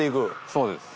そうです。